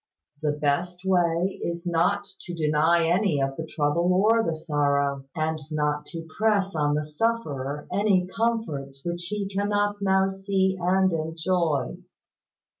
The best way is not to deny any of the trouble or the sorrow, and not to press on the sufferer any comforts which he cannot now see and enjoy.